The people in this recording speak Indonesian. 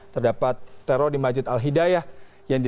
terdapat teror di masjid al hidayah